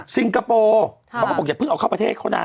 คโปร์เขาก็บอกอย่าเพิ่งเอาเข้าประเทศเขานะ